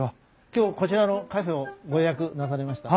今日こちらのカフェをご予約なされました？